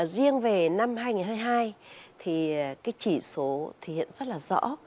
riêng về năm hai nghìn hai mươi hai chỉ số hiện rất rõ